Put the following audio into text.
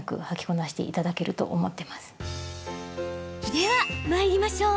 では、まいりましょう。